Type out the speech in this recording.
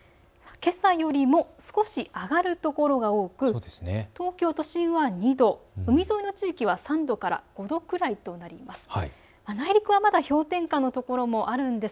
けさよりも少し上がるところが多く東京都心は２度、海沿いの地域は３度から５度くらいとなります。